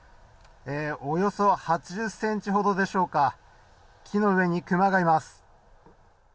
およそ８０ｃｍほどでしょうか木の上に熊がいます。